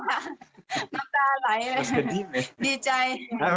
น้ำตาไหลเลยดีใจ